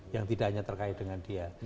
yang tidak hanya terkait dengan dia